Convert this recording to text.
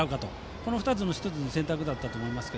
この２つに１つの選択だったと思います。